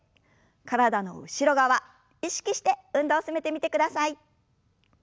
体の後ろ側意識して運動を進めてみてください。